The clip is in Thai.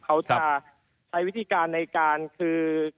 เขาจะใช้วิธีการในการคือ